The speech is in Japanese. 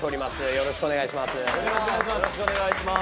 よろしくお願いします。